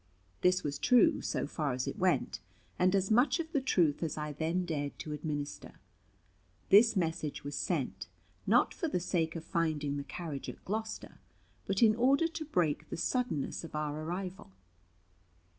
This was true, so far as it went, and as much of the truth as I then dared to administer. This message was sent, not for the sake of finding the carriage at Gloucester, but in order to break the suddenness of our arrival.